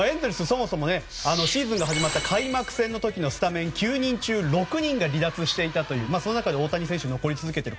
そもそもシーズンが始まった開幕戦の時のスタメン９人中６人が離脱していたというその中で大谷選手は残り続けている。